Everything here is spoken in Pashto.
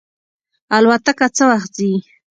الوتکه څه وخت ځي؟